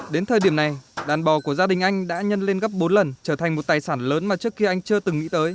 đến thời điểm này đàn bò của gia đình anh đã nhân lên gấp bốn lần trở thành một tài sản lớn mà trước kia anh chưa từng nghĩ tới